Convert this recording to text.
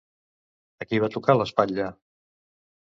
A qui va tocar l'espatlla?